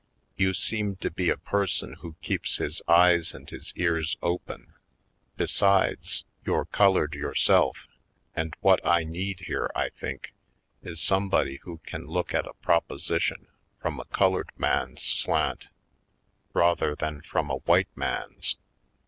"You seem to be a person who keeps his eyes and his ears open; besides, you're colored yourself and what I need here, I think, is somebody who can look at a proposition from a colored man's slant rather than from a white man's.